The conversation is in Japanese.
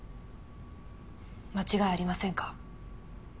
間違いありませんか？